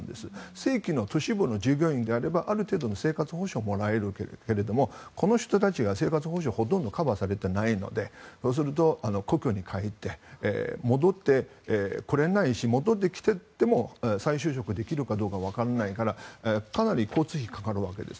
正規の都市部の従業員ならある程度の生活保障がもらえるけれどもこの人たちは生活保障がほとんどカバーされていないのでそうすると、故郷に帰って戻ってこれないし戻ってきてても再就職できるかどうか、分からないからかなり交通費がかかるわけです。